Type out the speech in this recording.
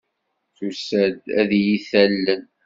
Tusa-d ad iyi-talel.